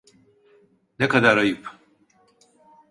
Ne kadar ayıp.